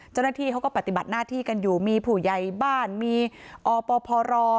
เจ้าหน้าที่เขาก็ปฏิบัติหน้าที่กันอยู่มีผู้ใหญ่บ้านมีอปพร